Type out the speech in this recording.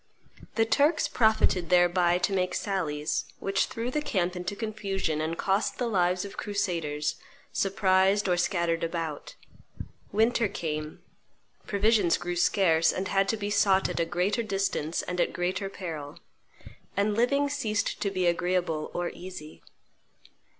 The Turks profited thereby to make sallies, which threw the camp into confusion and cost the lives of crusaders surprised or scattered about. Winter came; provisions grew scarce, and had to be sought at a greater distance and at greater peril; and living ceased to be agreeable or easy.